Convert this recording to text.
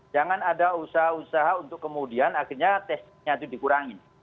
jangan ada usaha usaha untuk kemudian akhirnya testingnya itu dikurangin